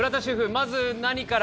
まず何から？